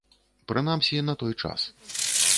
Прынамсі, на той час.